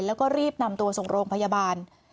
แล้วก็รีบนำตัวส่งโรงพยาบาล